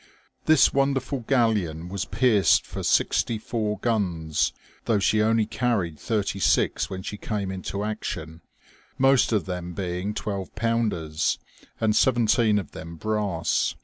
This 198 OLD SE1P8. wonderful galleon was pierced for sixty four guns, though she only carried thirty six when she came into action, most of them being twelve pounders, and seventeen of tbem brass.